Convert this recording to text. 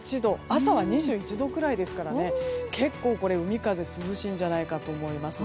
朝は２７度くらいですから結構、海風が涼しいんじゃないかと思います。